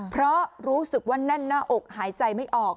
เพราะรู้สึกว่าแน่นหน้าอกหายใจไม่ออก